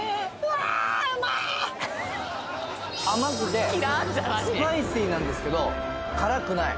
甘くてスパイシーなんですけど辛くない